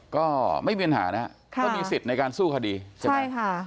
ก็ไม่มีปัญหานะครับก็มีสิทธิ์ในการสู้คดีใช่ไหมใช่ค่ะ